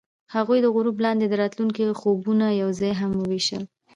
هغوی د غروب لاندې د راتلونکي خوبونه یوځای هم وویشل.